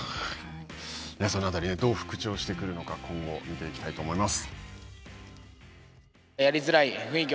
そのあたり、どう復調してくるのか、今後、見ていきたいと思います。